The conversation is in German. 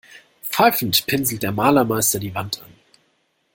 Pfeifend pinselt der Malermeister die Wand an.